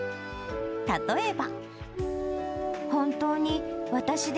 例えば。